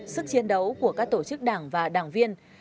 sức chiến đấu của các tổ chức đảng và đảng viên